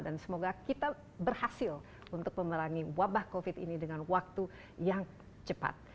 dan semoga kita berhasil untuk memerangi wabah covid sembilan belas ini dengan waktu yang cepat